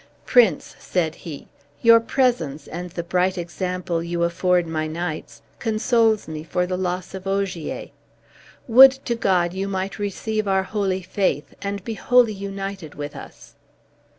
"Prince," said he, "your presence and the bright example you afford my knights consoles me for the loss of Ogier. Would to God you might receive our holy faith, and be wholly united with us."